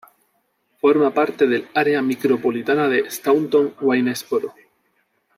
Forma parte del área micropolitana de Staunton–Waynesboro.